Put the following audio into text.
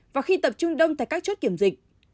và khi tập trung đông tại các chốt kiểm dịch